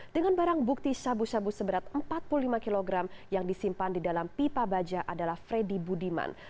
dengan barang bukti sabu sabu seberat empat puluh lima kg yang disimpan di dalam pipa baja adalah freddy budiman